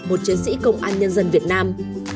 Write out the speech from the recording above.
một chiến sĩ công an nhân dân việt nam